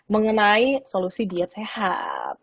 mengenai solusi diet sehat